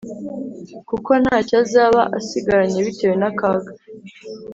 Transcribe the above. kuko nta cyo azaba asigaranye bitewe n’akaga